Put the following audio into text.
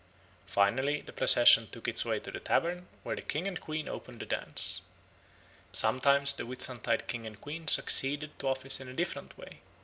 Finally the procession took its way to the tavern, where the king and queen opened the dance. Sometimes the Whitsuntide King and Queen succeeded to office in a different way.